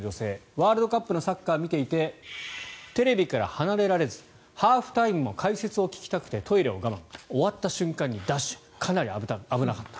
ワールドカップのサッカーを見ていてテレビから離れられずハーフタイムも解説を聞きたくてトイレを我慢終わった瞬間にダッシュかなり危なかった。